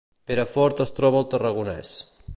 Perafort es troba al Tarragonès